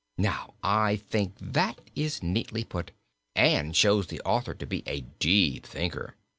Now, I think that is neatly put, and shows the author to be a deep thinker.